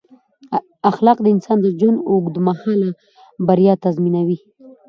اخلاق د انسان د ژوند اوږد مهاله بریا تضمینوي.